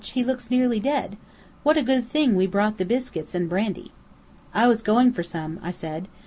He looks nearly dead. What a good thing we brought the biscuits and brandy." "I was going for some," I said.